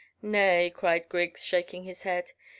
"Nay," cried Griggs, shaking his head.